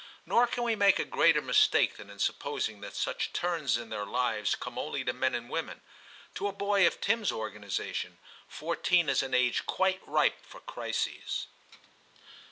Nor can we make a greater mistake than in sup posing that such turns in their lives come only to men and women. To a boy of Tim's organisation, fourteen is an age quite ripe for crises.